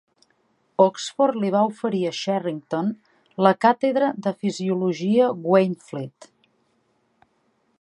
Oxford li va oferir a Sherrington la Càtedra de Fisiologia Waynflete.